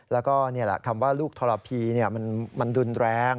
แล้วก็นี่แหละคำว่าลูกทรพีมันรุนแรง